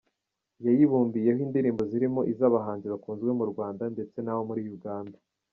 Yayibumbiyeho indirimbo zirimo iz’abahanzi bakunzwe mu Rwanda ndetse n’abo muri Uganda.